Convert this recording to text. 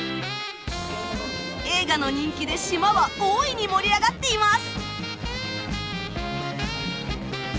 映画の人気で島は大いに盛り上がっています。